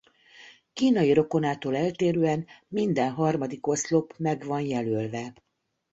Kínai rokonától eltérően minden harmadik oszlop meg van jelölve.